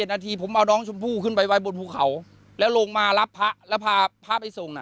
นาทีผมเอาน้องชมพู่ขึ้นไปไว้บนภูเขาแล้วลงมารับพระแล้วพาพระไปส่งน่ะ